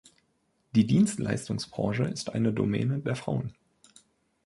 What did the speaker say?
Die Dienstleistungsbranche ist eine Domäne der Frauen.